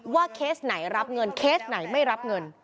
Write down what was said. เคสไหนรับเงินเคสไหนไม่รับเงิน